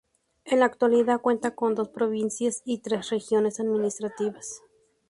En la actualidad cuenta con dos provincias y tres regiones administrativas.